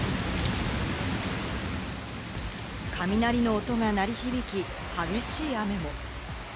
雷の音が鳴り響き、激しい雨も。